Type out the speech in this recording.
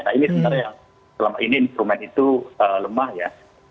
nah ini sebenarnya yang selama ini instrumen itu lemah ya